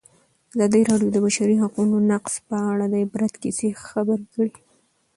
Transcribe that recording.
ازادي راډیو د د بشري حقونو نقض په اړه د عبرت کیسې خبر کړي.